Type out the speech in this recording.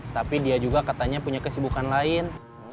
tapi dia juga katanya punya kesibukan lain